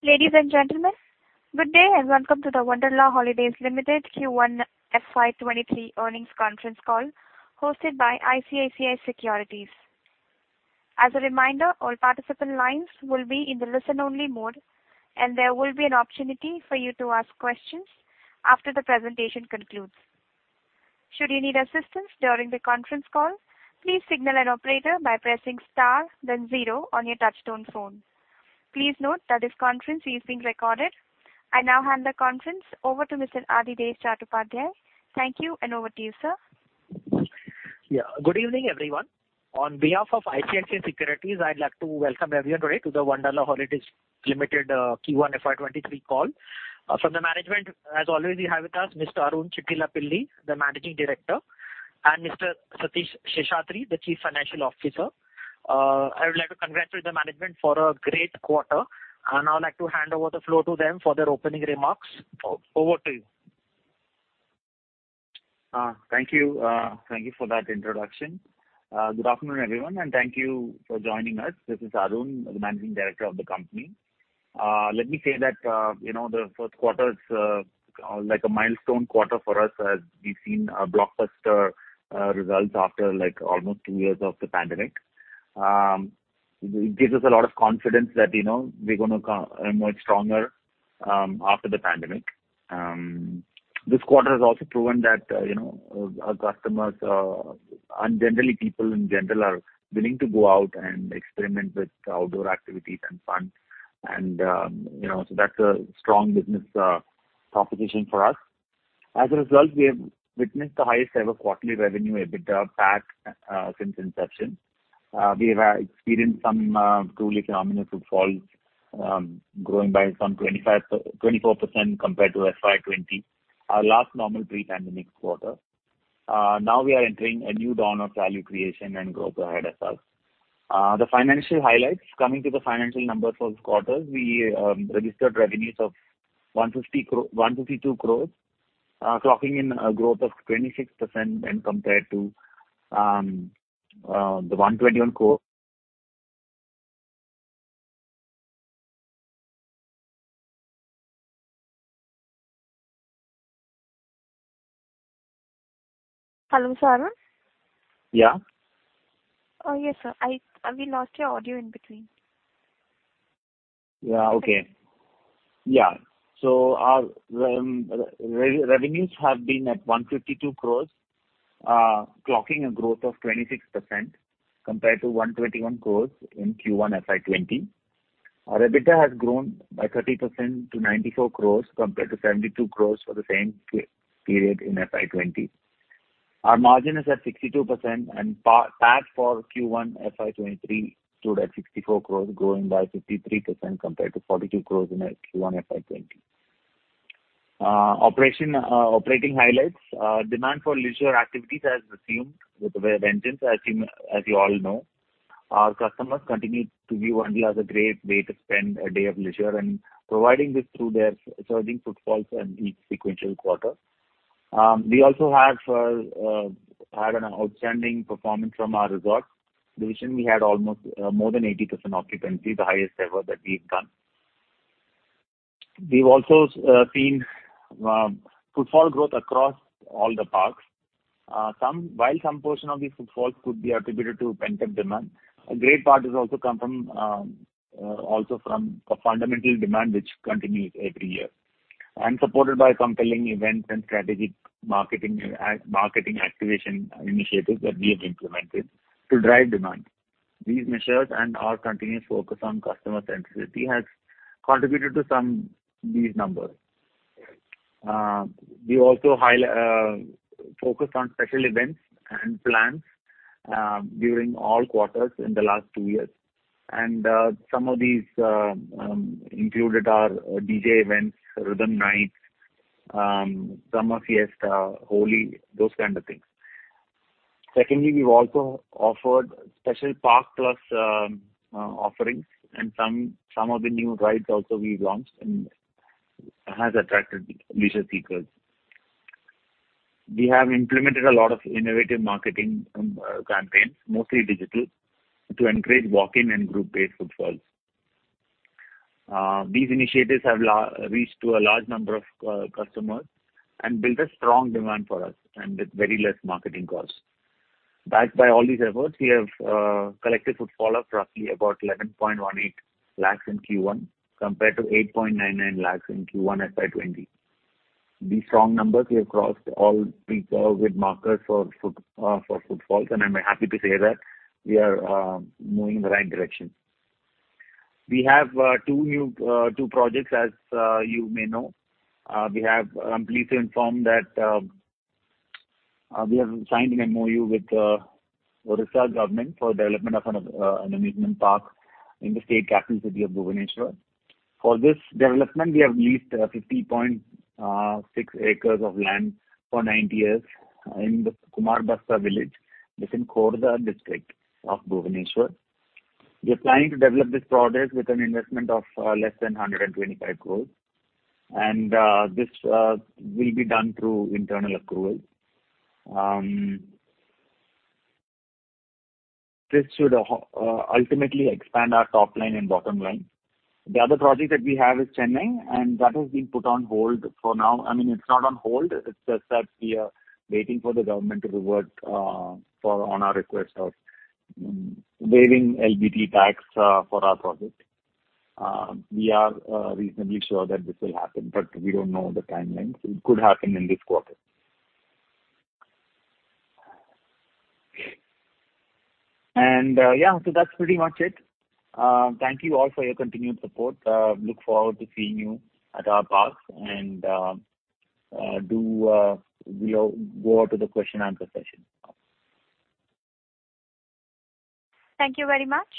Ladies and gentlemen, good day and welcome to the Wonderla Holidays Limited Q1 FY23 Earnings Conference Call hosted by ICICI Securities. As a reminder, all participant lines will be in the listen-only mode, and there will be an opportunity for you to ask questions after the presentation concludes. Should you need assistance during the conference call, please signal an operator by pressing star then zero on your touch-tone phone. Please note that this conference is being recorded. I now hand the conference over to Mr. Adhidev Chattopadhyay. Thank you, and over to you, sir. Good evening, everyone. On behalf of ICICI Securities, I'd like to welcome everyone today to the Wonderla Holidays Limited Q1 FY 2023 call. From the management, as always, we have with us Mr. Arun Chittilappilly, the Managing Director, and Mr. Satheesh Seshadri, the Chief Financial Officer. I would like to congratulate the management for a great quarter. I would like to hand over the floor to them for their opening remarks. Over to you. Thank you. Thank you for that introduction. Good afternoon, everyone, and thank you for joining us. This is Arun, the Managing Director of the company. Let me say that, you know, Q1 is like a milestone quarter for us as we've seen blockbuster results after, like, almost two years of the pandemic. It gives us a lot of confidence that, you know, we're gonna come much stronger after the pandemic. This quarter has also proven that, you know, our customers and generally people in general are willing to go out and experiment with outdoor activities and fun and, you know, so that's a strong business proposition for us. As a result, we have witnessed the highest ever quarterly revenue, EBITDA, PAT since inception. We have experienced some truly phenomenal footfalls, growing by some 24% compared to FY 2020, our last normal pre-pandemic quarter. Now we are entering a new dawn of value creation and growth ahead of us. The financial highlights. Coming to the financial numbers for this quarter, we registered revenues of 152 crore, clocking in a growth of 26% when compared to the INR 121 crore- Hello, sir. Arun? Yeah. Yes, sir. We lost your audio in between. Our revenues have been at 152 crores, clocking a growth of 26% compared to 121 crores in Q1 FY 2020. Our EBITDA has grown by 30% to 94 crores compared to 72 crores for the same period in FY 2020. Our margin is at 62% and PAT for Q1 FY 2023 stood at 64 crores, growing by 53% compared to 42 crores in Q1 FY 2020. Operating highlights. Demand for leisure activities has resumed with a vengeance, as you all know. Our customers continue to view Wonderla as a great way to spend a day of leisure and providing this through their surging footfalls in each sequential quarter. We also have had an outstanding performance from our resorts division. We had almost more than 80% occupancy, the highest ever that we've done. We've also seen footfall growth across all the parks. While some portion of these footfalls could be attributed to pent-up demand, a great part has also come from fundamental demand, which continues every year, and supported by compelling events and strategic marketing activation initiatives that we have implemented to drive demand. These measures and our continuous focus on customer centricity has contributed to some of these numbers. We also focused on special events and plans during all quarters in the last two years. Some of these included are DJ events, Rhythm Nights, Summer Fiesta, Holi, those kind of things. Secondly, we've also offered special Park+ offerings and some of the new rides also we've launched and has attracted leisure seekers. We have implemented a lot of innovative marketing campaigns, mostly digital, to encourage walk-in and group-based footfalls. These initiatives have reached to a large number of customers and built a strong demand for us, and with very less marketing costs. Backed by all these efforts, we have collected footfall of roughly about 11.18 lakhs in Q1 compared to 8.99 lakhs in Q1 FY 2020. These strong numbers have crossed all pre-COVID markers for footfalls, and I'm happy to say that we are moving in the right direction. We have two new projects, as you may know. I'm pleased to inform that we have signed an MoU with Odisha government for development of an amusement park in the state capital city of Bhubaneswar. For this development, we have leased 50.6 acres of land for 90 years in the Kumarbasta village within Khordha district of Bhubaneswar. We are planning to develop this project with an investment of less than 125 crore, and this will be done through internal accruals. This should ultimately expand our top line and bottom line. The other project that we have is Chennai, and that has been put on hold for now. I mean, it's not on hold, it's just that we are waiting for the government to revert on our request for waiving LBT tax for our project. We are reasonably sure that this will happen, but we don't know the timelines. It could happen in this quarter. Yeah, so that's pretty much it. Thank you all for your continued support. Look forward to seeing you at our parks, and we'll go to the question and answer session. Thank you very much.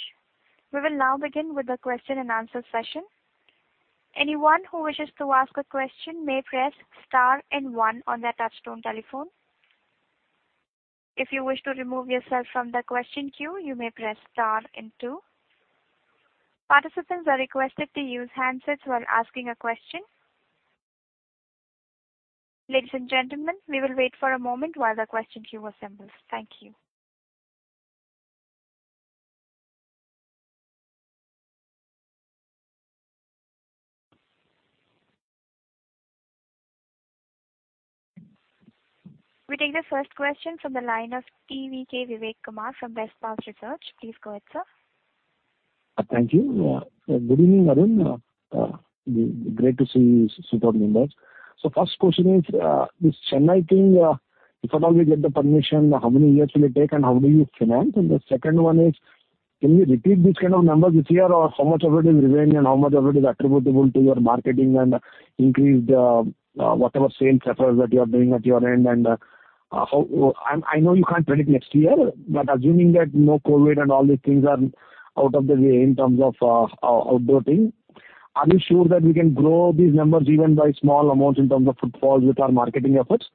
We will now begin with the question and answer session. Anyone who wishes to ask a question may press star and one on their touch-tone telephone. If you wish to remove yourself from the question queue you may press star and two. Participants are requested to use handsets while asking a question. Ladies and gentlemen, we will wait for a moment while the question queue assembles. Thank you. We take the first question from the line of Vivek Kumar from Bestoic Research. Please go ahead, sir. Thank you. Good evening, Arun. Great to see your superb numbers. First question is, this Chennai thing, if at all we get the permission, how many years will it take and how do you finance? The second one is, can you repeat this kind of numbers this year, or how much of it is revenue and how much of it is attributable to your marketing and increased, whatever sales efforts that you are doing at your end? I know you can't predict next year, but assuming that no COVID and all these things are out of the way in terms of, outdoor thing, are you sure that we can grow these numbers even by small amounts in terms of footfalls with our marketing efforts?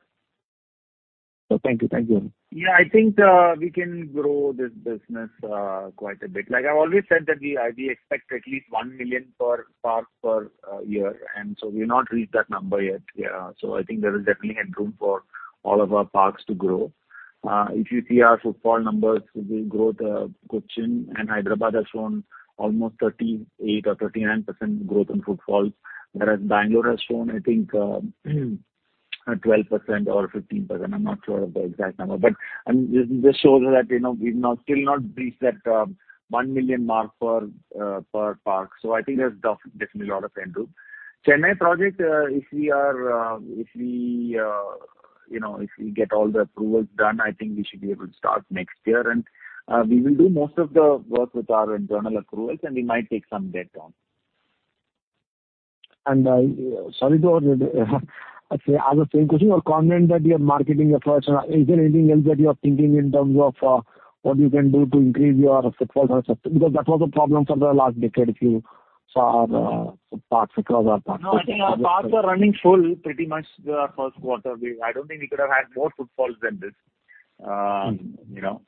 Thank you. Thank you. Yeah, I think we can grow this business quite a bit. Like I've always said that we expect at least 1 million per park per year, and so we've not reached that number yet. Yeah. I think there is definitely a room for all of our parks to grow. If you see our footfall numbers, the growth, Cochin and Hyderabad have shown almost 38% or 39% growth in footfalls. Whereas Bangalore has shown, I think, a 12% or 15%, I'm not sure of the exact number. But this shows that, you know, we've not still not reached that 1 million mark per park. I think there's definitely a lot of room. Chennai project, if we get all the approvals done, I think we should be able to start next year. We will do most of the work with our internal approvals, and we might take some debt on. Sorry to ask the same question or comment on your marketing approach. Is there anything else that you are thinking in terms of what you can do to increase your footfalls and such? Because that was a problem for the last decade, if you saw footfalls across our parks. No, I think our parks are running full pretty much our Q1. I don't think we could have had more footfalls than this. You know,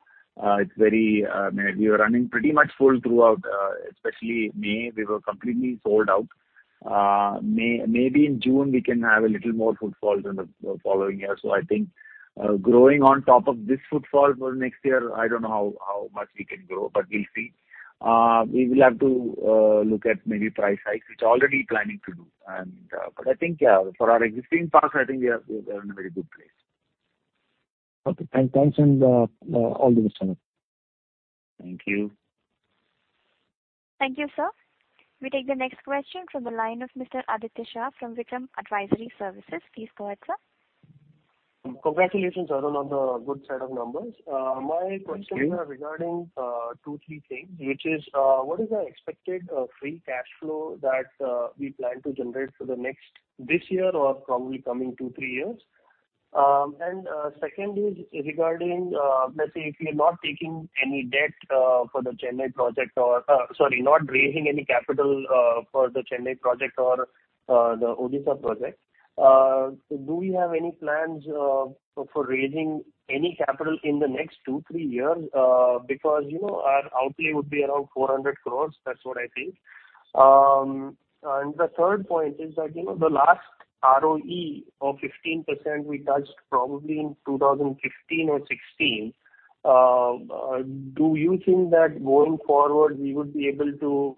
it's very, we were running pretty much full throughout, especially May, we were completely sold out. Maybe in June we can have a little more footfalls in the following year. I think, growing on top of this footfall for next year, I don't know how much we can grow, but we'll see. We will have to look at maybe price hikes, which already planning to do and. I think, yeah, for our existing parks, I think we are in a very good place. Okay. Thanks and all the best. Thank you. Thank you, sir. We take the next question from the line of Mr. Aditya Shah from Vikram Advisory Services. Please go ahead, sir. Congratulations, Arun, on the good set of numbers. My questions are regarding two, three things, which is what is the expected free cash flow that we plan to generate for the next this year or probably coming two, three years? Second is regarding, let's say if you're not raising any capital for the Chennai project or the Odisha project. Do we have any plans for raising any capital in the next two, three years? Because, you know, our outlay would be around 400 crore, that's what I think. The third point is that, you know, the last ROE of 15% we touched probably in 2015 or 2016. Do you think that going forward, we would be able to,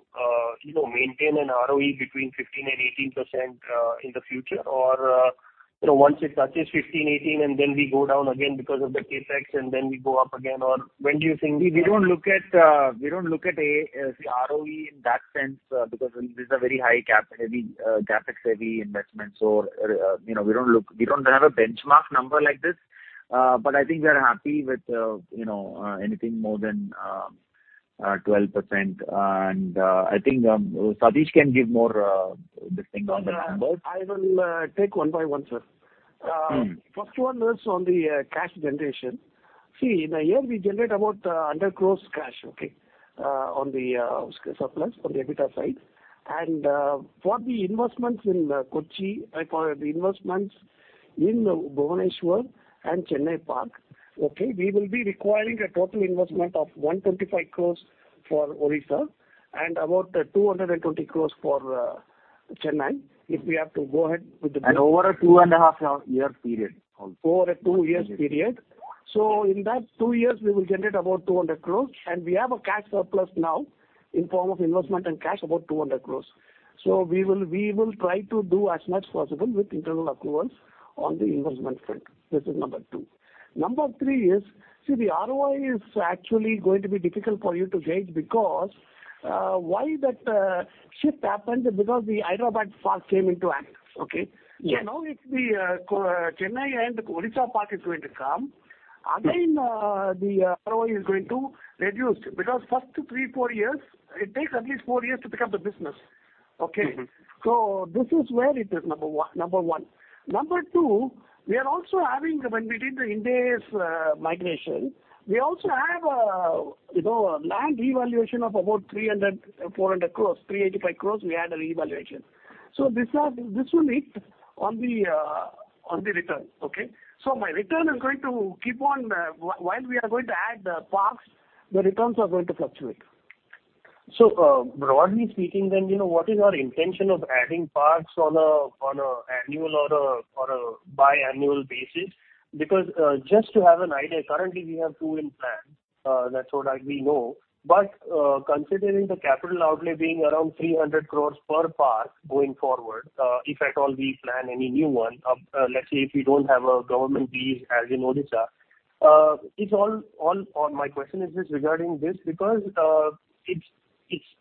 you know, maintain an ROE between 15% and 18% in the future? Or, you know, once it touches 15, 18, and then we go down again because of the CapEx and then we go up again or when do you think We don't look at ROE in that sense, because this is a very high CapEx heavy investment. You know, we don't have a benchmark number like this. I think we are happy with you know anything more than 12%. I think Satish can give more on the numbers. I will take one by one, sir. Mm-hmm. First one is on the cash generation. See, in a year we generate about 100 crores cash, okay, on the surplus on the EBITDA side. For the investments in Kochi, for the investments in Bhubaneswar and Chennai park. Okay. We will be requiring a total investment of 125 crores for Odisha, and about 220 crores for Chennai, if we have to go ahead with the. Over a 2.5-year period. Over a two-year period. In that two years we will generate about 200 crore. We have a cash surplus now in form of investment and cash, about 200 crore. We will try to do as much as possible with internal accruals on the investment front. This is number two. Number three is, see the ROI is actually going to be difficult for you to gauge because the shift happened because the Hyderabad park came into effect. Yeah. Now if the Chennai and Odisha park is going to come. Yes. Again, the ROI is going to reduce, because first three to four years, it takes at least four years to pick up the business. Okay. Mm-hmm. This is where it is, number one. Number two, we are also having when we did the Ind AS migration, we also have, you know, land valuation of about 300 crores-400 crores. 385 crores we had a valuation. These are, this will hit on the return, okay? My return is going to keep on, while we are going to add the parks, the returns are going to fluctuate. Broadly speaking then, you know, what is our intention of adding parks on an annual or biannual basis? Because just to have an idea, currently we have two in plan, that's what we know. Considering the capital outlay being around 300 crores per park going forward, if at all we plan any new one, let's say if we don't have a government lease as in Odisha. My question is just regarding this because it's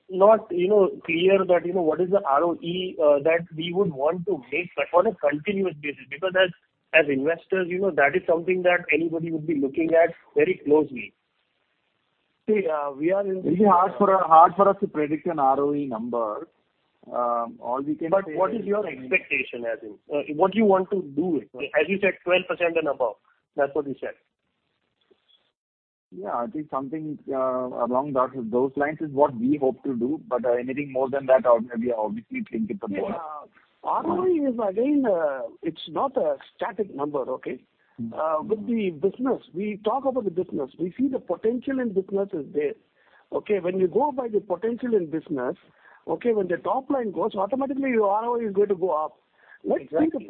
not, you know, clear that, you know, what is the ROE that we would want to make, but on a continuous basis. Because as investors, you know, that is something that anybody would be looking at very closely. See, we are in. It's hard for us to predict an ROE number. All we can say is. What is your expectation as in? What you want to do with? As you said, 12% and above. That's what you said. Yeah. I think something along that, those lines is what we hope to do, but anything more than that, we are obviously clinging to the. Yeah. ROI is again, it's not a static number, okay? Mm-hmm. With the business, we talk about the business, we see the potential in business is there, okay? When you go by the potential in business, okay, when the top line goes, automatically your ROI is going to go up. Exactly.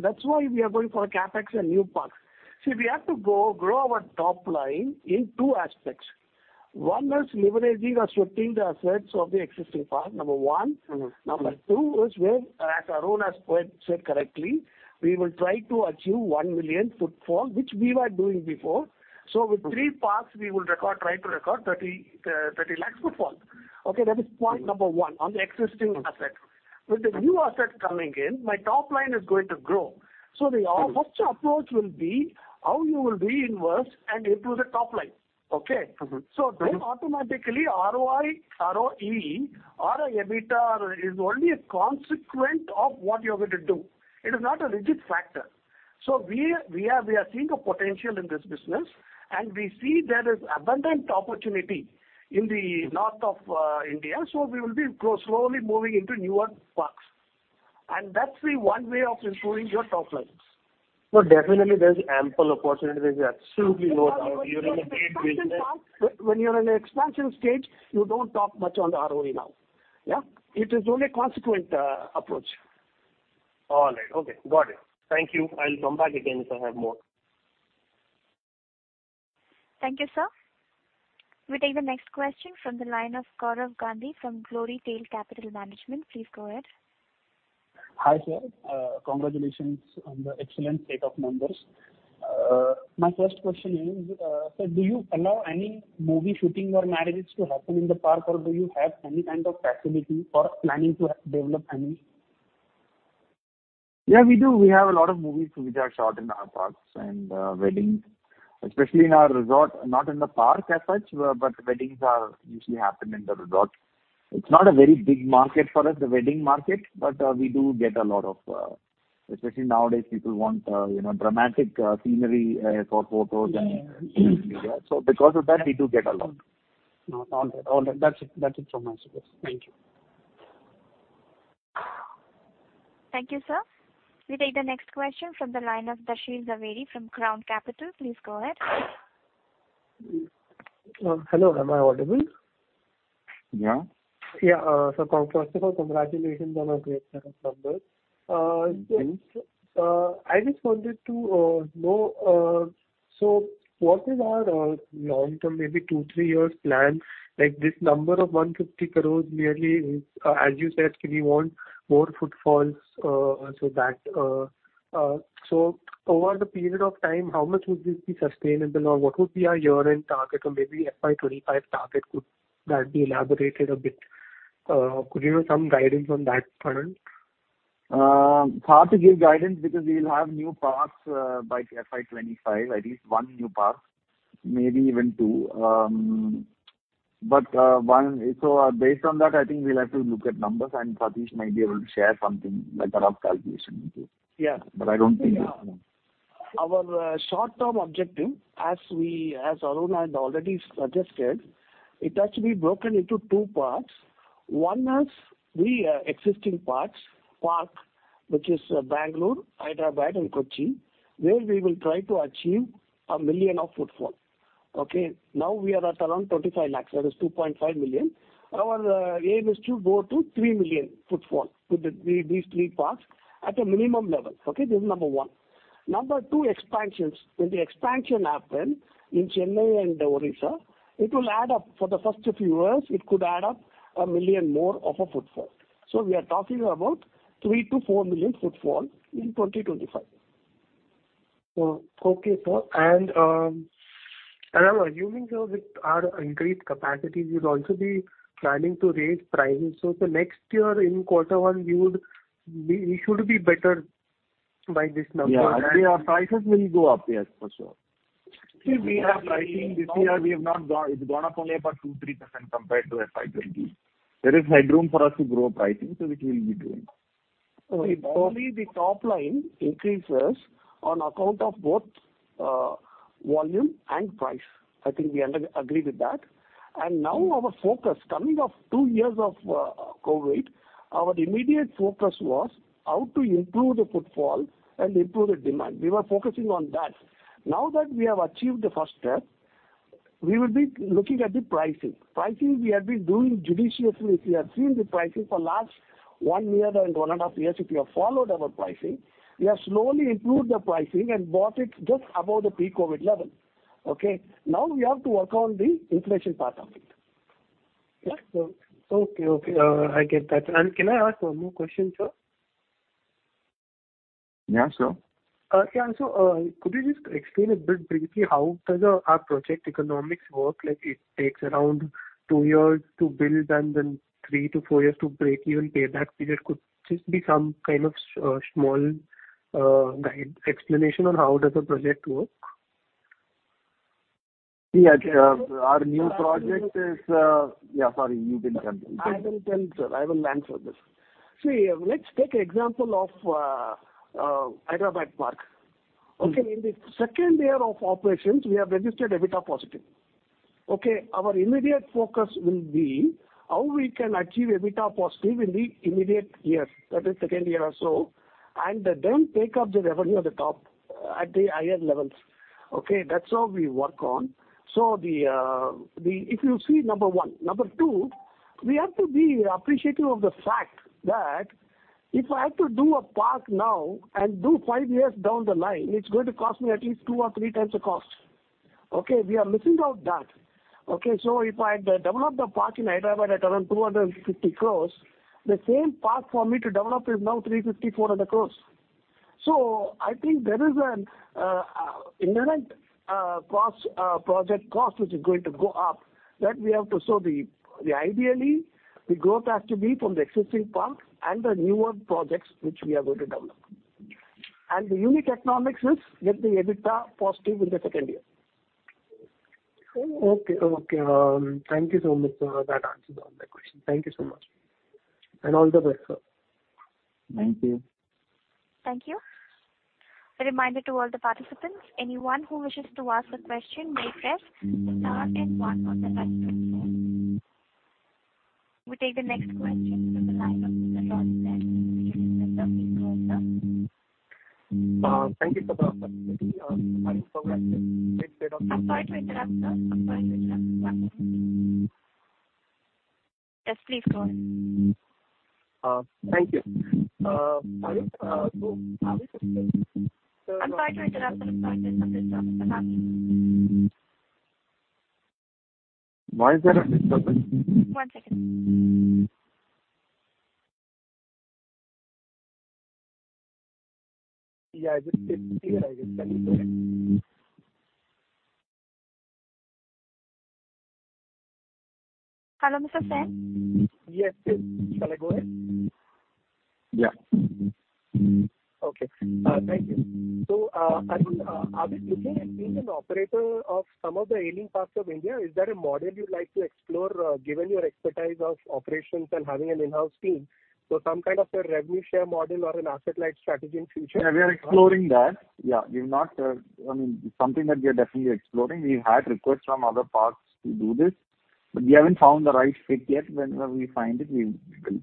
That's why we are going for CapEx and new parks. See, we have to grow our top line in two aspects. One is leveraging or shifting the assets of the existing park. Mm-hmm. Number two is where, as Arun has said correctly, we will try to achieve 1 million footfall, which we were doing before. With three parks we will try to record 30 lakhs footfall. Okay? That is point number one on the existing asset. With the new asset coming in, my top line is going to grow. Our first approach will be how you will reinvest and improve the top line, okay? Mm-hmm. Automatically ROE or EBITDA is only a consequence of what you're going to do. It is not a rigid factor. We are seeing a potential in this business, and we see there is abundant opportunity in the north of India, so we will be grow slowly moving into newer parks. That's the one way of improving your top lines. No, definitely there's ample opportunity. There's absolutely no doubt. You're in a big business. When you're in expansion stage, you don't talk much on the ROE now. Yeah. It is only consequent approach. All right. Okay. Got it. Thank you. I'll come back again if I have more. Thank you, sir. We take the next question from the line of Gaurav Gandhi from Glorytale Capital Management. Please go ahead. Hi, sir. Congratulations on the excellent set of numbers. My first question is, sir, do you allow any movie shooting or marriages to happen in the park, or do you have any kind of facility or planning to develop any? Yeah, we do. We have a lot of movies which are shot in our parks and weddings. Especially in our resort, not in the park as such, but weddings are usually happen in the resort. It's not a very big market for us, the wedding market, but we do get a lot of, especially nowadays people want you know dramatic scenery for photos and yeah. Because of that, we do get a lot. All right. That's it from my side. Thank you. Thank you, sir. We take the next question from the line of Darshit Jhaveri from Crown Capital. Please go ahead. Hello, am I audible? Yeah. Yeah. First of all, congratulations on a great set of numbers. Thanks. I just wanted to know what our long-term, maybe two, three years plan is. Like this number of 150 crore nearly is, as you said, we want more footfalls. Over the period of time, how much would this be sustainable or what would be our year-end target or maybe FY 2025 target? Could that be elaborated a bit? Could you give some guidance on that front? It's hard to give guidance because we'll have new parks by FY 25, at least one new park, maybe even two. Based on that, I think we'll have to look at numbers and Satish might be able to share something like a rough calculation with you. Yeah. I don't think. Our short-term objective as Arun had already suggested, it's actually broken into two parts. One is the existing parks, which is Bangalore, Hyderabad and Kochi, where we will try to achieve 1 million footfall. Okay? Now we are at around 25 lakhs, that is 2.5 million. Our aim is to go to 3 million footfall to these three parks at a minimum level. Okay? This is number one. Number two, expansions. When the expansion happen in Chennai and Odisha, it will add up. For the first few years, it could add up 1 million more of a footfall. We are talking about 3-4 million footfall in 2025. Okay, sir. I'm assuming, sir, with our increased capacity, we'll also be planning to raise prices. The next year in quarter one, you should be better by this number. Yeah. Our prices will go up. Yes, for sure. See, we have pricing. This year we have not gone up. It's gone up only about 2-3% compared to FY 2020. There is headroom for us to grow pricing, so which we'll be doing. Okay. Normally the top line increases on account of both volume and price. I think we agree with that. Now our focus, coming out of two years of COVID, our immediate focus was how to improve the footfall and improve the demand. We were focusing on that. Now that we have achieved the first step, we will be looking at the pricing. Pricing we have been doing judiciously. If you have seen the pricing for last one year and 1.5 years, if you have followed our pricing, we have slowly improved the pricing and brought it just above the pre-COVID level. Okay? Now we have to work on the inflation part of it. Yeah. Okay. I get that. Can I ask one more question, sir? Yeah, sure. Yeah. Could you just explain a bit briefly how does our project economics work? Like, it takes around two years to build and then three to four years to break even payback period. Could just be some kind of small guide explanation on how does a project work? Yeah. Our new project is. Yeah, sorry. You didn't tell. I will tell, sir. I will answer this. See, let's take example of Hyderabad park. Okay? In the second year of operations, we have registered EBITDA positive. Okay? Our immediate focus will be how we can achieve EBITDA positive in the immediate years, that is second year or so, and then take up the revenue at the top, at the higher levels. Okay? That's how we work on. If you see number one. Number two, we have to be appreciative of the fact that if I have to do a park now and do five years down the line, it's going to cost me at least two or three times the cost. Okay? We are missing out that. Okay? If I develop the park in Hyderabad at around 250 crores, the same park for me to develop is now 350 crores-400 crores. I think there is an inherent cost, project cost which is going to go up. Ideally, the growth has to be from the existing park and the newer projects which we are going to develop. The unit economics is get the EBITDA positive in the second year. Okay. Thank you so much, sir. That answered all my questions. Thank you so much. All the best, sir. Thank you. Thank you. A reminder to all the participants, anyone who wishes to ask a question may press star then one on their telephone. We take the next question from the line of Mr. Yash Shah. Please go ahead, sir. Thank you for the opportunity. [inaudible] Thank you. [inaudible] I'm sorry to interrupt, [inaudible] Why is there a disturbance? One second. Yeah, just it's clear, I guess. Thank you, sir. Hello, Mr. Shah. Yes, please. Shall I go ahead? Yeah. Okay. Thank you. Arun, [inaudible] is looking at being an operator of some of the ailing parks of India. Is that a model you'd like to explore, given your expertise of operations and having an in-house team? Some kind of a revenue share model or an asset light strategy in future? Yeah, we are exploring that. Yeah. We've not, I mean, something that we are definitely exploring. We've had requests from other parks to do this, but we haven't found the right fit yet. Whenever we find it, we will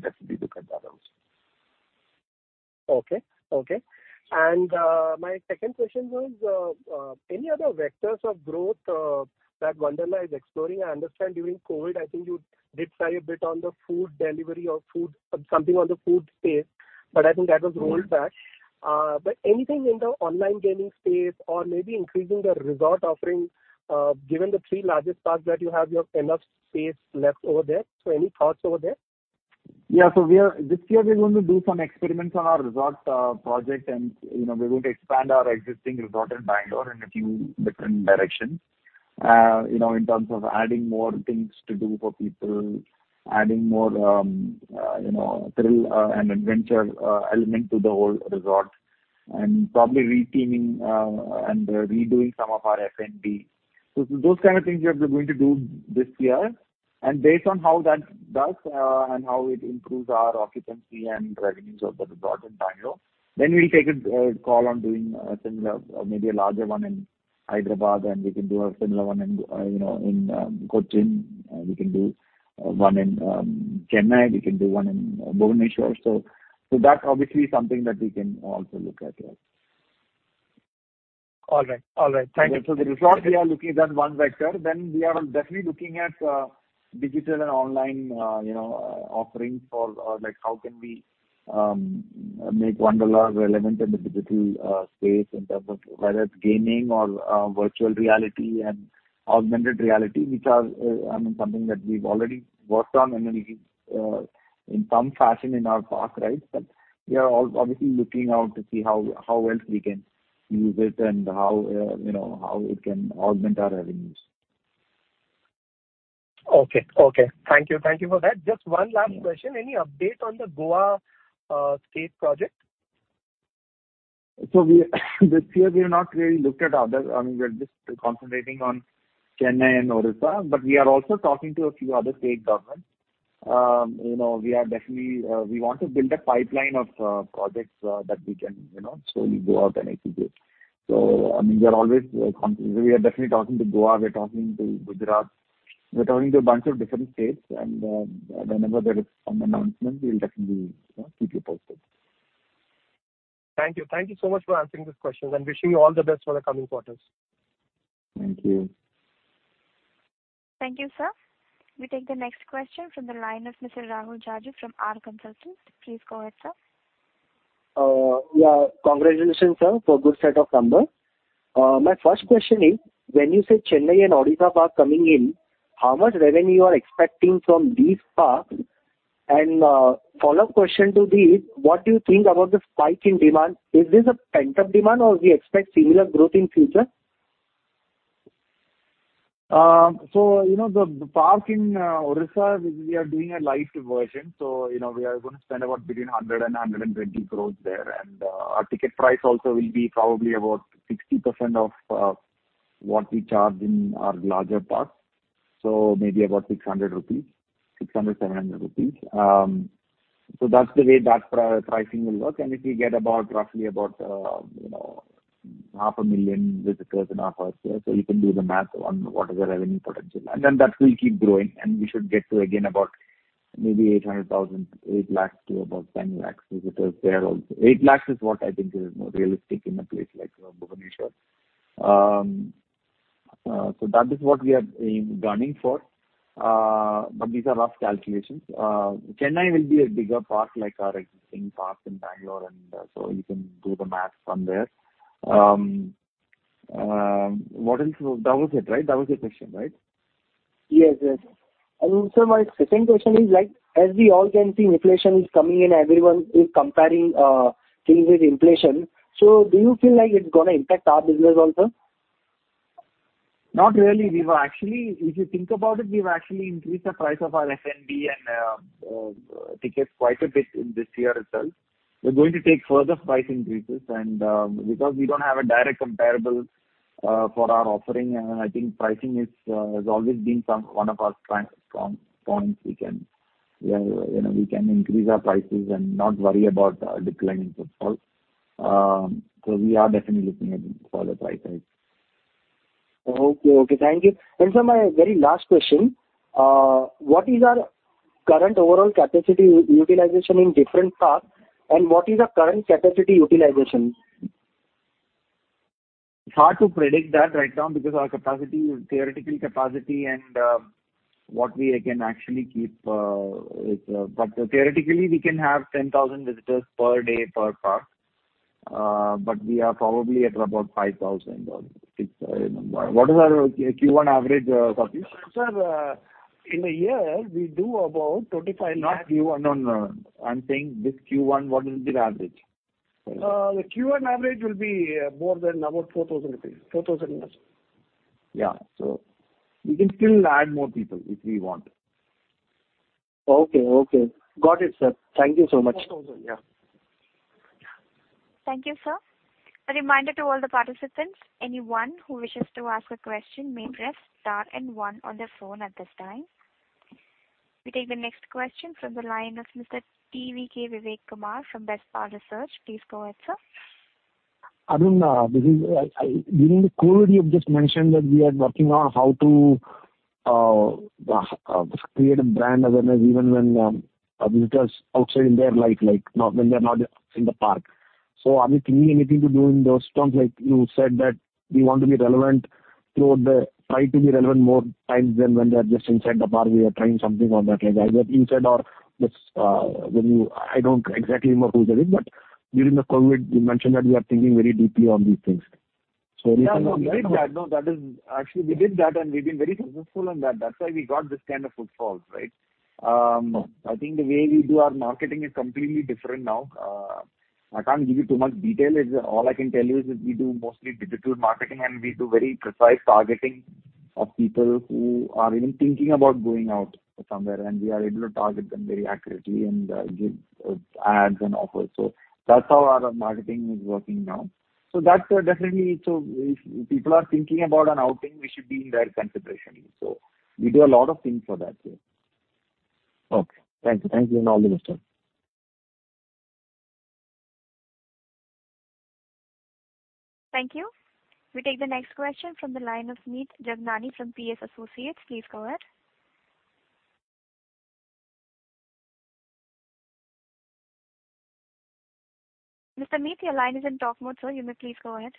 definitely look at that also. Okay. My second question was, any other vectors of growth that Wonderla is exploring? I understand during COVID, I think you did try a bit on the food delivery or food, something on the food space, but I think that was rolled back. But anything in the online gaming space or maybe increasing the resort offering? Given the three largest parks that you have, you have enough space left over there, so any thoughts over there? This year we're going to do some experiments on our resort project. You know, we're going to expand our existing resort in Bangalore in a few different directions, you know, in terms of adding more things to do for people, adding more, you know, thrill and adventure element to the whole resort, and probably retheming and redoing some of our F&B. Those kind of things we are going to do this year. Based on how that does, and how it improves our occupancy and revenues of the resort in Bangalore, then we'll take a call on doing a similar or maybe a larger one in Hyderabad, and we can do a similar one in, you know, in Cochin. We can do one in Chennai. We can do one in Bhubaneswar. So that's obviously something that we can also look at, yes. All right. Thank you. The resort, we are looking at that one vector. We are definitely looking at digital and online you know offerings for like how can we make Wonderla relevant in the digital space in terms of whether it's gaming or virtual reality and augmented reality, which are I mean something that we've already worked on and released in some fashion in our park, right? We are obviously looking out to see how else we can use it and how you know how it can augment our revenues. Okay. Thank you for that. Just one last question. Any update on the Goa skate project? This year we have not really looked at, I mean, we're just concentrating on Chennai and Odisha, but we are also talking to a few other state governments. You know, we are definitely we want to build a pipeline of projects that we can, you know, slowly go out and execute. I mean, we are definitely talking to Goa. We're talking to Gujarat. We're talking to a bunch of different states and, whenever there is some announcement, we'll definitely, you know, keep you posted. Thank you. Thank you so much for answering these questions, and wishing you all the best for the coming quarters. Thank you. Thank you, sir. We take the next question from the line of Mr. Rahul Jain from. [inaudible] Please go ahead, sir. Yeah. Congratulations, sir, for good set of numbers. My first question is, when you say Chennai and Odisha Park coming in, how much revenue you are expecting from these parks? Follow-up question to this, what do you think about the spike in demand? Is this a pent-up demand, or do you expect similar growth in future? You know, the park in Odisha, we are doing a lighter version. You know, we are gonna spend between 100 and 120 crores there. Our ticket price also will be probably about 60% of what we charge in our larger parks. Maybe about 600-700 rupees. That's the way that pricing will work. If we get roughly half a million visitors in our first year, you can do the math on what is the revenue potential. Then that will keep growing, and we should get to again about maybe 800,000, 8 lakh to about 10 lakh visitors there also. 8 lakh is what I think is more realistic in a place like Bhubaneswar. That is what we are gunning for. These are rough calculations. Chennai will be a bigger park like our existing park in Bangalore and so you can do the math from there. What else? That was it, right? That was your question, right? Yes. Yes. Sir, my second question is like, as we all can see, inflation is coming in, everyone is comparing things with inflation. So do you feel like it's gonna impact our business also? Not really. If you think about it, we've actually increased the price of our F&B and tickets quite a bit in this year itself. We're going to take further price increases and because we don't have a direct comparable for our offering, I think pricing has always been one of our strong points. We can, you know, increase our prices and not worry about declining footfall. We are definitely looking at further price hikes. Okay. Thank you. Sir, my very last question. What is our current overall capacity utilization in different parks, and what is our current capacity utilization? It's hard to predict that right now because our capacity is theoretical capacity and what we can actually keep is. Theoretically, we can have 10,000 visitors per day per park. We are probably at about 5,000 or 6,000. What is our Q1 average, Satheesh Seshadri? Sir, in a year we do about 35. Not Q1. No, no. I'm saying this Q1, what is the average? The Q1 average will be more than about 4,000 people. 4,000 plus. Yeah. We can still add more people if we want. Okay. Okay. Got it, sir. Thank you so much. 4,000. Yeah. Thank you, sir. A reminder to all the participants, anyone who wishes to ask a question may press star and one on their phone at this time. We take the next question from the line of Mr. Vivek Kumar from Bestoic Research. Please go ahead, sir. Arun, During the COVID, you've just mentioned that we are working on how to create a brand awareness even when visitors outside in their life, like, not when they're not in the park. Are we doing anything to do in those terms? Like, you said or just when you... I don't exactly remember who said it, but during the COVID, you mentioned that we are thinking very deeply on these things. Recently- No, we did that. Actually, we did that and we've been very successful in that. That's why we got this kind of footfalls, right? I think the way we do our marketing is completely different now. I can't give you too much detail. It's all I can tell you is we do mostly digital marketing, and we do very precise targeting of people who are even thinking about going out somewhere, and we are able to target them very accurately and give ads and offers. That's how our marketing is working now. That's definitely. If people are thinking about an outing, we should be in their consideration. We do a lot of things for that here. Okay. Thank you. Thank you and all the best, sir. Thank you. We take the next question from the line of Meet Jagnani from PS Associates. Please go ahead. Mr. Meet, your line is in talk mode, sir. You may please go ahead.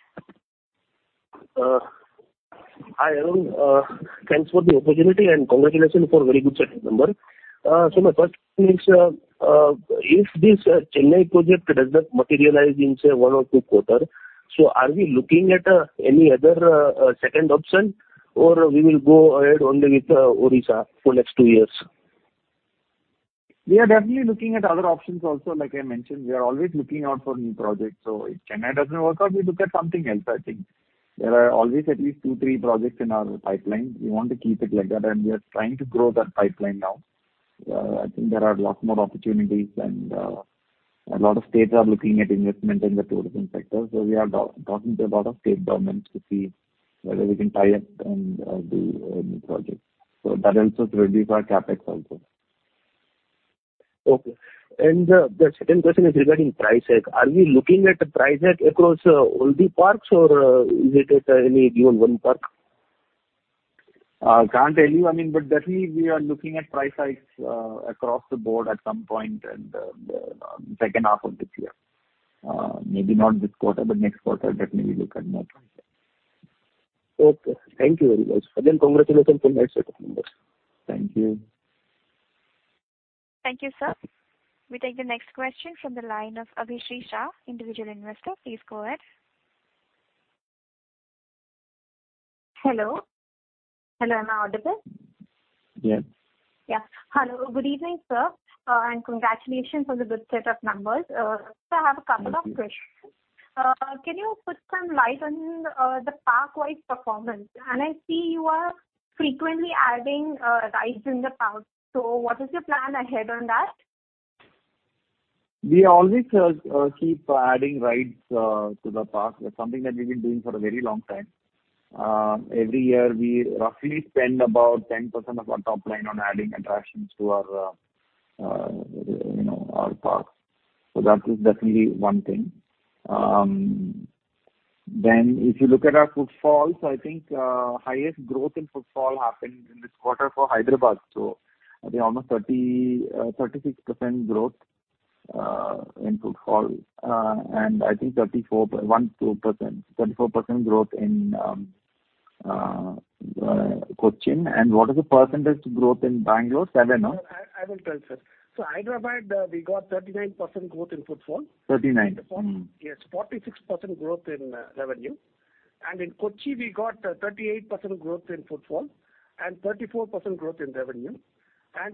Hi, Arun. Thanks for the opportunity, and congratulations for very good set of numbers. My first question is, if this Chennai project does not materialize in, say, Q1or Q2, so are we looking at any other second option, or we will go ahead only with Odisha for next two years? We are definitely looking at other options also. Like I mentioned, we are always looking out for new projects. If Chennai doesn't work out, we look at something else, I think. There are always at least two, three projects in our pipeline. We want to keep it like that, and we are trying to grow that pipeline now. I think there are a lot more opportunities and, a lot of states are looking at investment in the tourism sector. We are talking to a lot of state governments to see whether we can tie up and, do, new projects. That also reduces our CapEx also. Okay. The second question is regarding price hike. Are we looking at a price hike across all the parks or is it at any given one park? Can't tell you. I mean, definitely we are looking at price hikes across the board at some point in the second half of this year. Maybe not this quarter, but next quarter definitely we'll do more price hikes. Okay. Thank you very much. Again, congratulations on that set of numbers. Thank you. Thank you, sir. We take the next question from the line of Abhishri Shah, individual investor. Please go ahead. Hello. Hello, am I audible? Yes. Yeah. Hello. Good evening, sir, and congratulations on the good set of numbers. I have a couple of questions. Thank you. Can you put some light on the park-wide performance? I see you are frequently adding rides in the parks. What is your plan ahead on that? We always keep adding rides to the park. That's something that we've been doing for a very long time. Every year we roughly spend about 10% of our top line on adding attractions to our you know, our parks. That is definitely one thing. If you look at our footfalls, I think highest growth in footfall happened in this quarter for Hyderabad. I think almost 36% growth in footfall. I think 34.2% growth in Cochin. What is the percentage growth in Bangalore? 7%, no? I will tell, sir. Hyderabad, we got 39% growth in footfall. Yes, 46% growth in revenue. In Kochi, we got 38% growth in footfall and 34% growth in revenue.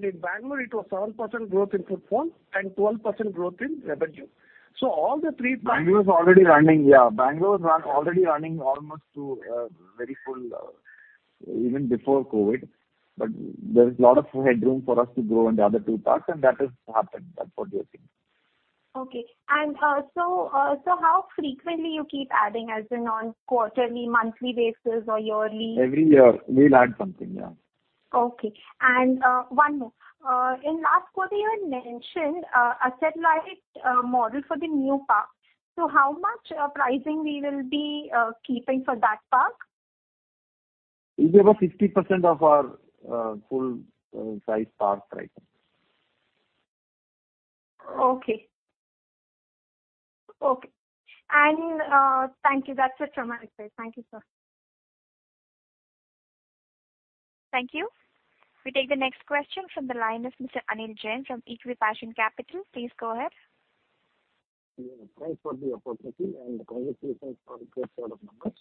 In Bangalore it was 7% growth in footfall and 12% growth in revenue. All the three- Bangalore is already running, yeah. It is already running almost to very full, even before COVID. There is a lot of headroom for us to grow in the other two parks, and that is happening. That's what you're seeing. Okay. How frequently you keep adding, as in on quarterly, monthly basis or yearly? Every year we'll add something, yeah. Okay. One more. In last quarter you had mentioned a satellite model for the new park. So how much pricing we will be keeping for that park? It'll be about 50% of our full size park pricing. Okay. Thank you. That's it from my side. Thank you, sir. Thank you. We take the next question from the line of Mr. Anil Jain from Equitas Capital. Please go ahead. Thanks for the opportunity and congratulations for a great set of numbers.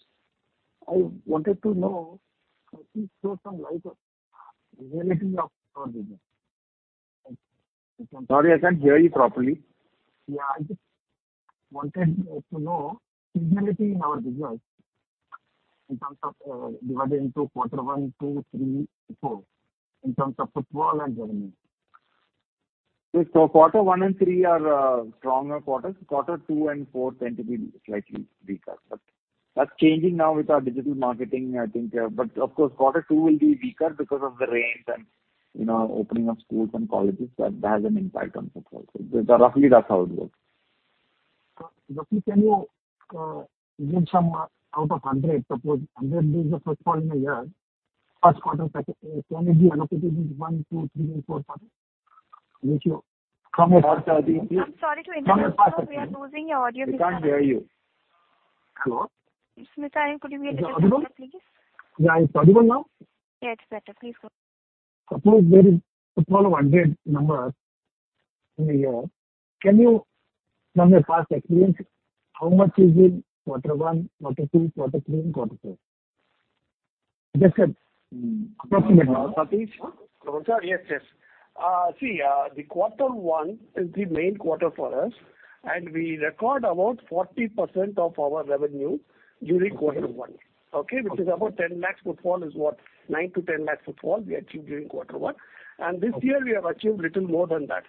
I wanted to know if you throw some light on seasonality of our business. Sorry, I can't hear you properly. Yeah. I just wanted to know seasonality in our business in terms of, divided into Q1, Q2, Q3, Q4 in terms of footfall and revenue. Yes. Q1 and Q3 are stronger quarters. Q2 and Q4 tend to be slightly weaker, but that's changing now with our digital marketing, I think. Of course, Q2 will be weaker because of the rains and, you know, opening of schools and colleges. That has an impact on footfall. Roughly that's how it works. Roughly, can you give some out of 100, suppose 100 is the footfall in a year, Q1, second. Can we be allocating into Q1, Q2, Q3, Q4? Which you- I'm sorry to interrupt, We are losing your audio, Mr. Anil. [inaudible] Mr. Jain, could you mute yourself, please? Yeah, it's audible now? Yeah, it's better. Please go ahead. Suppose there is footfall of 100 numbers in a year. Can you from your past experience how much is in Q1, Q2, Q3, and Q4? Just an approximate- Hello, Satish? Hello, sir. Yes, yes. The Q1 is the main quarter for us, and we record about 40% of our revenue during Q1. Okay? Okay. Which is about 10 lakh footfall is what, 9-10 lakh footfall we achieve during quarter one. Okay. This year we have achieved little more than that.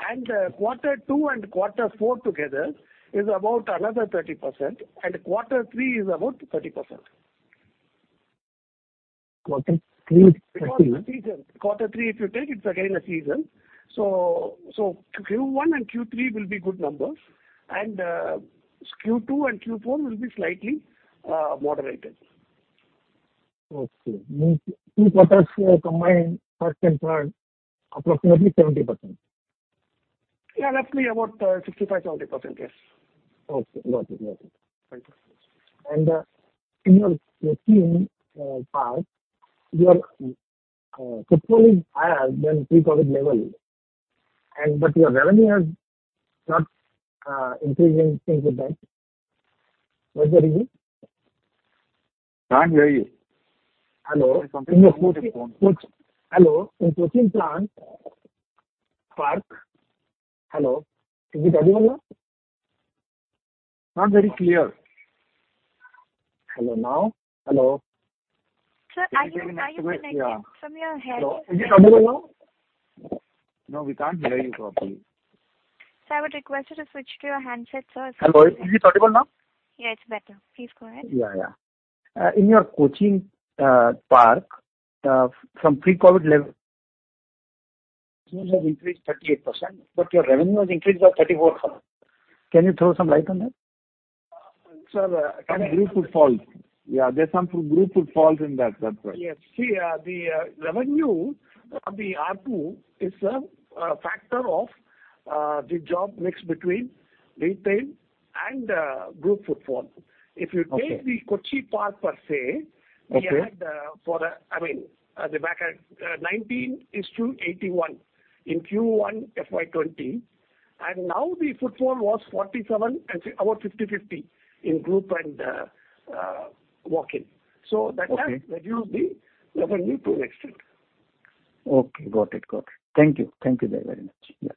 Q2 and Q4 together is about another 30%, and Q3 is about 30%. Q3 Because seasonal. Q3, if you take, it's again a seasonal. Q1 and Q3 will be good numbers, and Q2 and Q4 will be slightly moderated. Okay. Means two quarters combined, first and third, approximately 70%. Yeah, roughly about 65%-70%, yes. Okay. Got it. Thank you. In your Kochi park, your footfall is higher than pre-COVID level, but your revenue has not increasing in tandem with that. What's the reason? Can't hear you. Hello. There's something wrong with your phone. Hello. Is it audible now? Not very clear. Hello now? Hello. Sir, are you connecting from your head- Hello. Is it audible now? No, we can't hear you properly. Sir, I would request you to switch to your handset, sir. Hello. Is it audible now? Yeah, it's better. Please go ahead. Yeah, yeah. In your Kochi park, from pre-COVID level, footfall has increased 38%, but your revenue has increased by 34%. Can you throw some light on that? Sir. Group footfalls. Yeah, there's some group footfalls in that's why. Yes. See, the revenue or the ARPU is a factor of the guest mix between retail and group footfall. Okay. If you take the Kochi park per se. Okay We had the breakdown 19% to 81% in Q1 FY 2020, and now the footfall was 47% and about 50-50 in group and walk-in. Okay. That has reduced the revenue to an extent. Okay. Got it. Thank you. Thank you there very much. Yeah.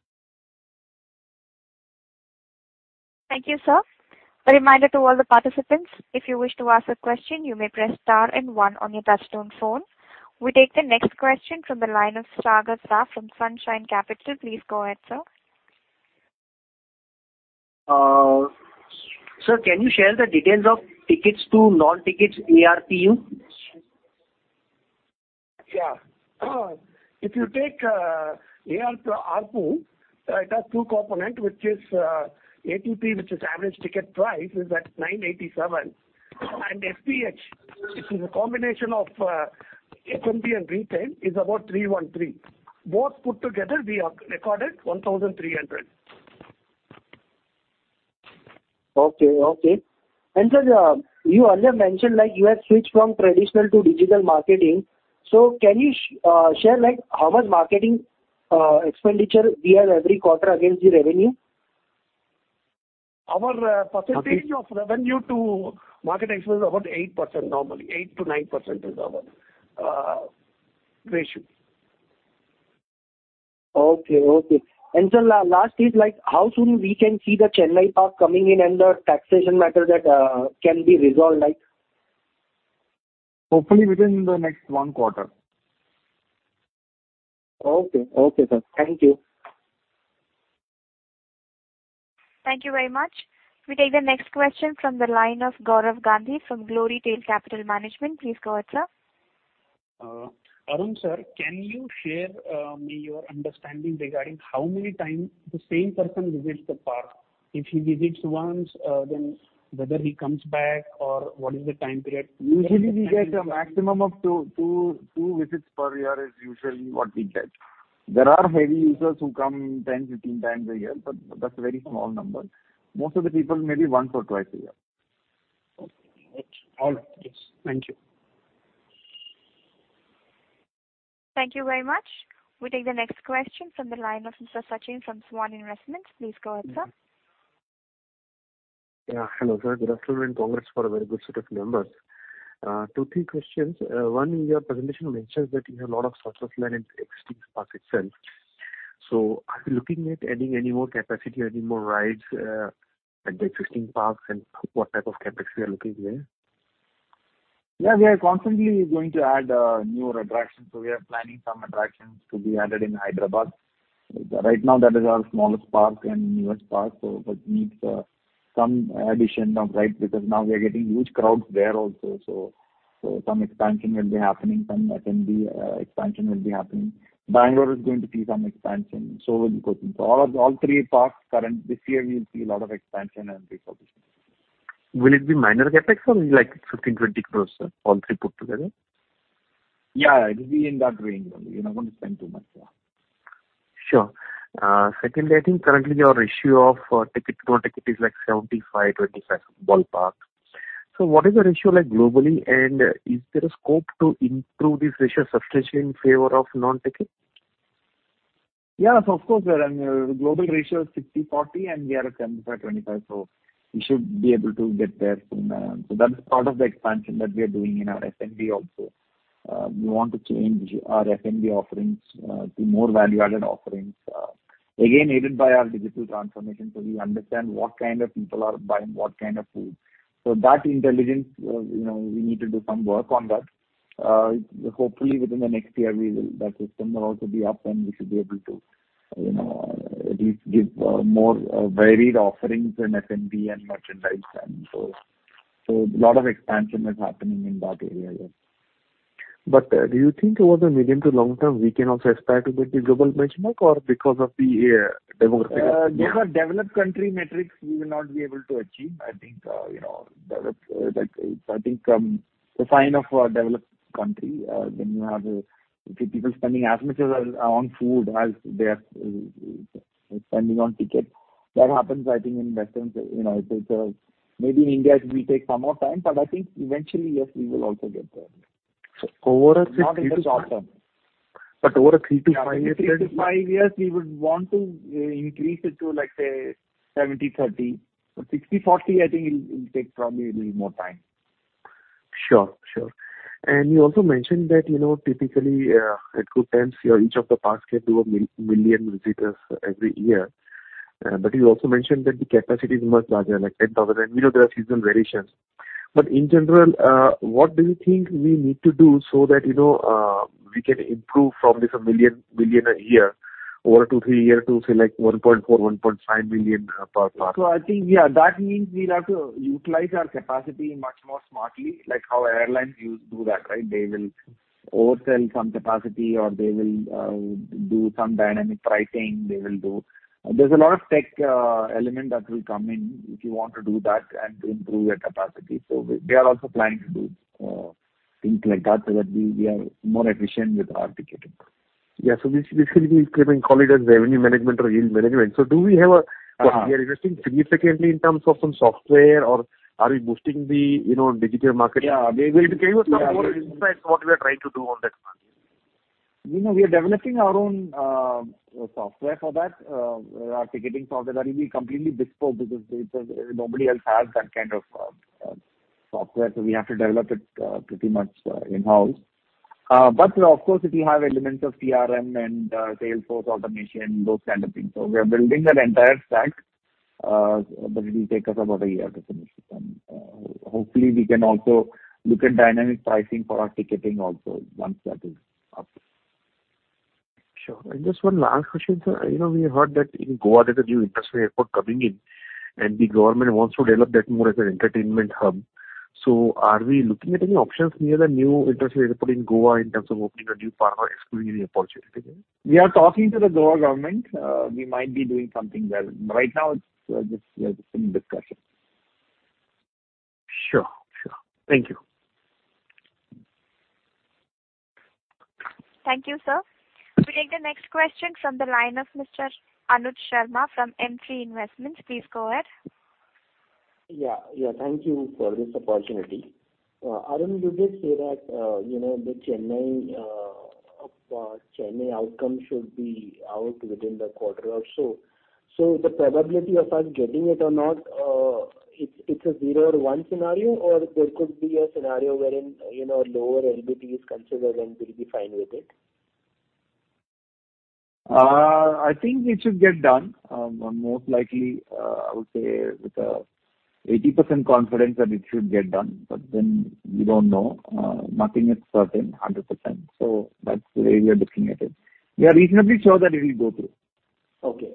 Thank you, sir. A reminder to all the participants, if you wish to ask a question, you may press star and one on your touch-tone phone. We take the next question from the line of Sagar from Sunshine Capital. Please go ahead, sir. Sir, can you share the details of tickets to non-tickets ARPU? If you take ARPU, it has two components, which is ATP, which is average ticket price, at 987, and FPH, which is a combination of F&B and retail, at about 313. Both put together, we have recorded 1,300. Okay. Sir, you earlier mentioned like you have switched from traditional to digital marketing. Can you share like how much marketing expenditure we have every quarter against the revenue? Our percentage. Okay. -of revenue to marketing expense is about 8% normally. 8%-9% is our ratio. Sir, last is like how soon we can see the Chennai park coming in and the taxation matter that can be resolved like? Hopefully within the next one quarter. Okay. Okay, sir. Thank you. Thank you very much. We take the next question from the line of Gaurav Gandhi from Glorytale Capital Management. Please go ahead, sir. Arun sir, can you share your understanding regarding how many times the same person visits the park? If he visits once, then whether he comes back or what is the time period? Usually we get a maximum of two visits per year is usually what we get. There are heavy users who come 10, 15 times a year, but that's a very small number. Most of the people maybe once or twice a year. Okay. All right. Yes. Thank you. Thank you very much. We take the next question from the line of Mr. Sachin from Swan Investments. Please go ahead, sir. Yeah. Hello, sir. Good afternoon. Congrats for a very good set of numbers. two, three questions. One, in your presentation you mentioned that you have a lot of surplus land in existing park itself. Are you looking at adding any more capacity or any more rides, at the existing parks and what type of capacity you are looking there? Yeah. We are constantly going to add newer attractions. We are planning some attractions to be added in Hyderabad. Right now that is our smallest park and newest park, so that needs some addition of rides because now we are getting huge crowds there also. Some expansion will be happening, some F&B expansion will be happening. Bangalore is going to see some expansion, so will Kochi. All three parks this year we'll see a lot of expansion and reposition. Will it be minor CapEx or is it like 15-20 crores, sir, all three put together? Yeah. It'll be in that range only. We're not going to spend too much, yeah. Sure. Secondly, I think currently your ratio of ticket to non-ticket is like 75-25 ballpark. What is the ratio like globally, and is there a scope to improve this ratio substantially in favor of non-ticket? Yes, of course. Global ratio is 60/40, and we are at 75/25, so we should be able to get there soon. That's part of the expansion that we are doing in our F&B also. We want to change our F&B offerings to more value-added offerings, again, aided by our digital transformation, so we understand what kind of people are buying what kind of food. That intelligence, you know, we need to do some work on that. Hopefully within the next year that system will also be up and we should be able to You know, at least give more varied offerings in F&B and merchandise. A lot of expansion is happening in that area, yes. Do you think over the medium to long term, we can also expect a bit of global benchmark or because of the demographic? These are developed country metrics we will not be able to achieve. I think, you know, like, it's, I think, the sign of a developed country, when you have people spending as much as on food as they are spending on ticket. That happens, I think, in Western. You know, it is. Maybe in India it will take some more time, but I think eventually, yes, we will also get there. Not in the short term. Over three to five years then? three to five years we would want to increase it to, like, say 70/30. 60/40, I think it'll take probably a little more time. Sure. You also mentioned that, you know, typically, at good times each of your parks gets to 1 million visitors every year. But you also mentioned that the capacity is much larger, like 10,000, and we know there are season variations. But in general, what do you think we need to do so that, you know, we can improve from this 1 million a year over two, three years to, say, like 1.4, 1.5 million per park? I think, yeah, that means we'll have to utilize our capacity much more smartly, like how airlines used to do that, right? They will oversell some capacity or they will do some dynamic pricing. There's a lot of tech element that will come in if you want to do that and to improve your capacity. They are also planning to do things like that, so that we are more efficient with our ticketing. Basically we can call it as revenue management or yield management. Do we have a- Uh-huh. We are investing significantly in terms of some software or are we boosting the, you know, digital marketing? Yeah. Can you give us some more insights what we are trying to do on that front? You know, we are developing our own software for that. Our ticketing software that will be completely bespoke because nobody else has that kind of software, so we have to develop it pretty much in-house. Of course it will have elements of CRM and Salesforce automation, those kind of things. We are building that entire stack, but it'll take us about a year to finish it. Hopefully we can also look at dynamic pricing for our ticketing also once that is up. Sure. Just one last question, sir. You know, we heard that in Goa there's a new international airport coming in, and the government wants to develop that more as an entertainment hub. Are we looking at any options near the new international airport in Goa in terms of opening a new park or exploring any opportunity there? We are talking to the Goa government. We might be doing something there. Right now it's just in discussion. Sure. Thank you. Thank you, sir. We take the next question from the line of Mr. Anuj Sharma from Emkay Global Financial Services. Please go ahead. Yeah, thank you for this opportunity. Arun, you did say that, you know, the Chennai outcome should be out within the quarter or so. The probability of us getting it or not, it's a zero or one scenario, or there could be a scenario wherein, you know, lower EBITDA is considered and we'll be fine with it? I think it should get done, most likely. I would say with 80% confidence that it should get done. You don't know. Nothing is certain 100%. That's the way we are looking at it. We are reasonably sure that it will go through. Okay.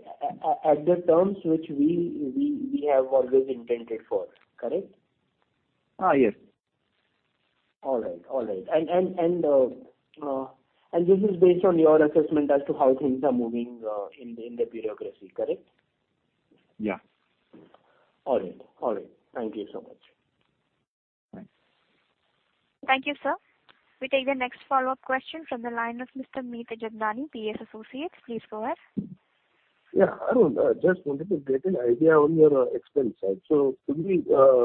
At the terms which we have always intended for, correct? Yes. All right. This is based on your assessment as to how things are moving in the bureaucracy, correct? Yeah. All right. Thank you so much. Thanks. Thank you, sir. We take the next follow-up question from the line of Mr. Nitin Padmanabhan, PS Associates. Please go ahead. Yeah, Arun, just wanted to get an idea on your expense side. Could we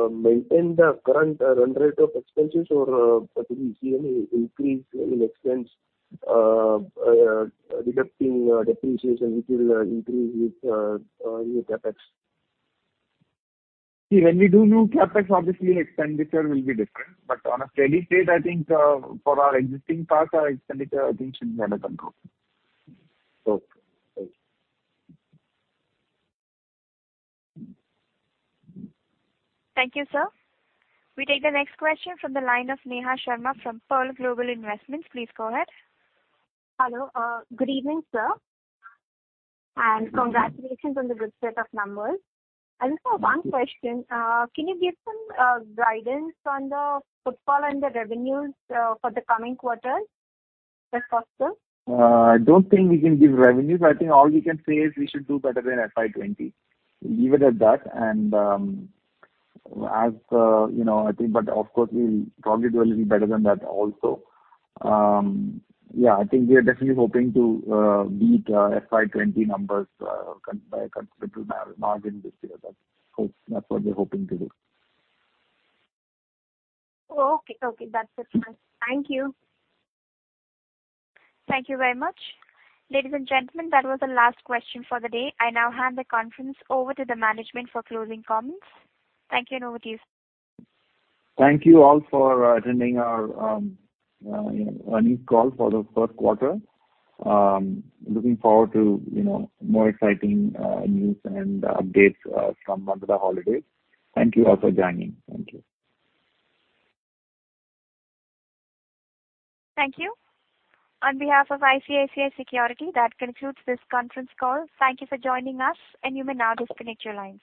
maintain the current run rate of expenses or could we see any increase in expense deducting depreciation which will increase with new CapEx? See, when we do new CapEx obviously expenditure will be different. On a steady state, I think, for our existing parks our expenditure I think should be under control. Okay. Thank you. Thank you, sir. We take the next question from the line of Neha Sharma from Pearl Global Investments. Please go ahead. Hello. Good evening, sir, and congratulations on the good set of numbers. I just have one question. Can you give some guidance on the footfall and the revenues for the coming quarter? That's all, sir. I don't think we can give revenues. I think all we can say is we should do better than FY 20. Leave it at that. I think but of course we'll probably do a little better than that also. I think we are definitely hoping to beat FY 20 numbers by a considerable margin this year. That's what we're hoping to do. Okay. Okay. That's it then. Thank you. Thank you very much. Ladies and gentlemen, that was the last question for the day. I now hand the conference over to the management for closing comments. Thank you and over to you, sir. Thank you all for attending our, you know, earnings call for Q1. Looking forward to, you know, more exciting news and updates from us with the holidays. Thank you all for joining. Thank you. Thank you. On behalf of ICICI Securities, that concludes this conference call. Thank you for joining us, and you may now disconnect your lines.